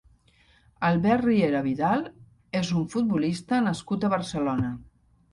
Albert Riera Vidal és un futbolista nascut a Barcelona.